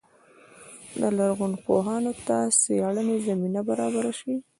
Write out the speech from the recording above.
لرغونپوهانو ته څېړنې زمینه برابره شي.